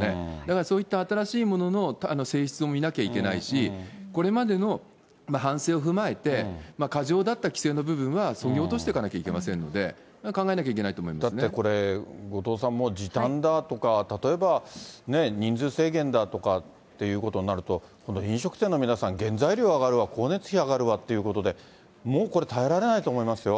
だからそういった新しいものの性質を見なきゃいけないし、これまでの反省を踏まえて、過剰だった規制の部分は削ぎ落していかなきゃいけませんので、考えなきゃいだってこれ、後藤さん、もう時短だとか、例えば、人数制限だとかっていうことになると、今度、飲食店の皆さん、原材料は上がるわ、光熱費は上がるわということで、もうこれ耐えられないと思いますよ。